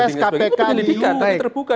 itu penyelidikan terbuka